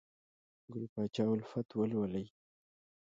ګل پاچا الفت ولولئ!